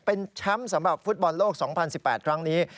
เป็นแชมป์สำหรับฟุตบอลโลก๒๐๑๘ครั้งนี้